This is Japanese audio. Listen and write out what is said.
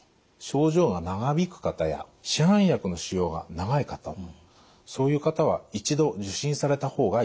症状が長引く方や市販薬の使用が長い方そういう方は一度受診された方がいいと思います。